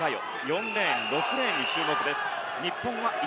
４レーン６レーンに注目です。